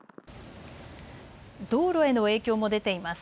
道路への影響も出ています。